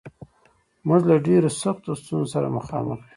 موږ له ډېرو سختو ستونزو سره مخامخ یو